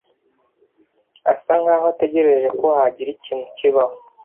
asa nkaho ategereje ko hagira ikintu kibaho.